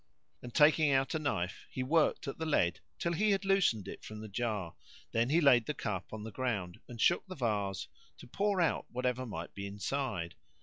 And taking out a knife he worked at the lead till he had loosened it from the jar; then he laid the cup on the ground and shook the vase to pour out whatever might be inside.